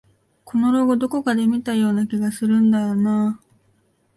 このロゴ、どこかで見たような気がするんだよなあ